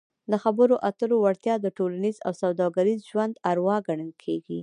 د خبرو اترو وړتیا د ټولنیز او سوداګریز ژوند اروا ګڼل کیږي.